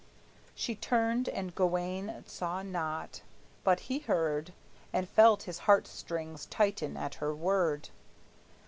She turned and Gawayne saw not; but he heard, And felt his heart strings tighten at her word.